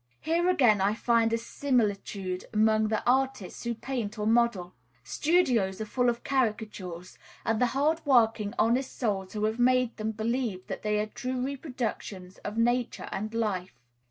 Here again I find a similitude among the artists who paint or model. Studios are full of such caricatures, and the hard working, honest souls who have made them believe that they are true reproductions of nature and life.